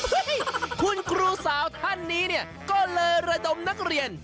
เฮ่ยคุณครูสาวท่านนี้ก็เลอระดมนักเรียน